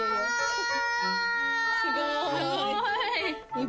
すごーい。